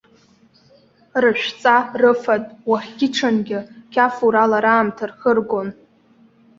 Рышәҵа, рыфатә, уахгьы ҽынгьы қьафурала раамҭа рхыргон.